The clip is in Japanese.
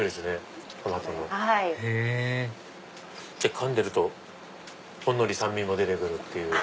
へぇかんでるとほんのり酸味も出て来るっていう。